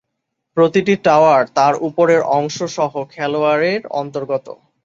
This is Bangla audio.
প্রতিটি টাওয়ার তার উপরে অংশ সহ খেলোয়াড়ের অন্তর্গত।